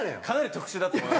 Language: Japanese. かなり特殊だと。